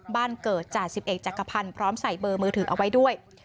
บ้านเกิดจ่าสิบเอกจักรพันธ์พร้อมใส่เบอร์มือถือเอาไว้ด้วย